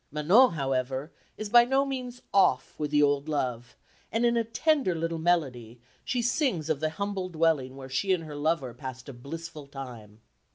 Manon, however, is by no means "off" with the old love, and in a tender little melody she sings of the humble dwelling where she and her lover passed a blissful time.